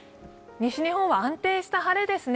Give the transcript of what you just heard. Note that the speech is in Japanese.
西日本は安定した晴れですね。